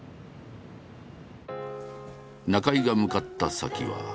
中井が向かった先は。